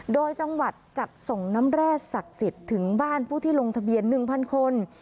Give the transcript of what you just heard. โดยจังหวัดจัดส่งน้ำแร่ศักดิ์สิทธิ์ถึงบ้านผู้ที่ลงทะเบียน๑๐๐คน